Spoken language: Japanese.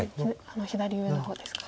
左上の方ですか。